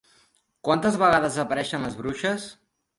Quantes vegades apareixen les bruixes?